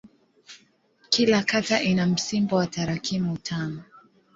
Kila kata ina msimbo wa tarakimu tano.